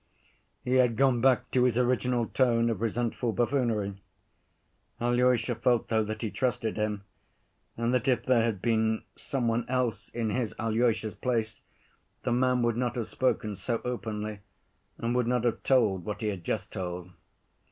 He had gone back to his original tone of resentful buffoonery. Alyosha felt though that he trusted him, and that if there had been some one else in his, Alyosha's place, the man would not have spoken so openly and would not have told what he had just told.